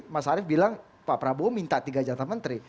mas arief bilang pak prabowo minta tiga jatah menteri